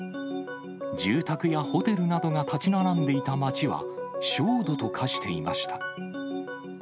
住宅やホテルなどが建ち並んでいた街は、焦土と化していました。